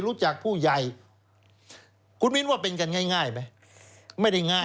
รู้จักผู้ใหญ่คุณมิ้นว่าเป็นกันง่ายไหมไม่ได้ง่าย